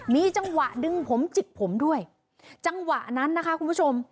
มีจังหวะดึงผมจิกผมด้วยจังหวะนั้นนะคะคุณผู้ชม